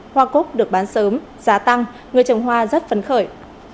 hoa cúc được bán sớm giá tăng người trồng hoa rất phấn khởi